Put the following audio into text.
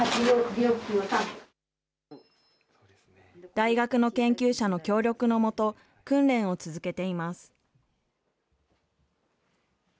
大学の研究者の協力のもと、訓練を続けています。